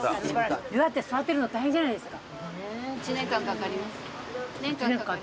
びわって育てるの大変じゃないですか？